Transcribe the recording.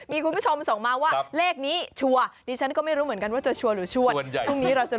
มีคุณผู้ชมส่งมาว่าเลขนี้ชัวร์ดิฉันก็ไม่รู้เหมือนกันว่าจะชัวร์หรือชวน